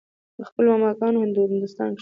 د خپلو ماما ګانو هندوستان کښې